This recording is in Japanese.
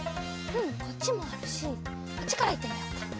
こっちもあるしこっちからいってみようか。